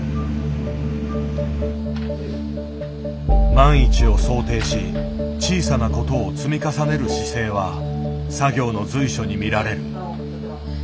万一を想定し小さなことを積み重ねる姿勢は作業の随所に見られる。